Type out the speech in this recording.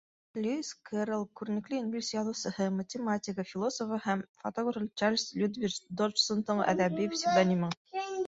Льюис Кэрролл —күренекле инглиз яҙыусыһы, математигы, философы һәм фотографы Чарльз Лютвидж Доджсондың әҙәби псевдонимы.